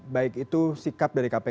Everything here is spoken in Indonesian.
baik itu sikap dari kpk